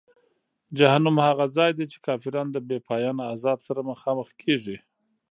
جهنم هغه ځای دی چې کافران د بېپایانه عذاب سره مخامخ کیږي.